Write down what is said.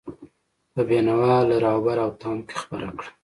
په بینوا، لراوبر او تاند کې خپره کړه.